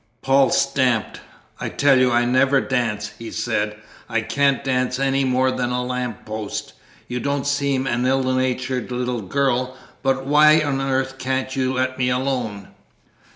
Paul stamped. "I tell you I never dance," he said. "I can't dance any more than a lamp post. You don't seem an ill natured little girl, but why on earth can't you let me alone?"